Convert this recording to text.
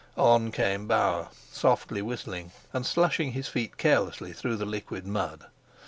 On came Bauer, softly, whistling and slushing his feet carelessly through the liquid mud.